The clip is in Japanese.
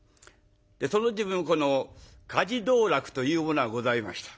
その時分この火事道楽というものがございました。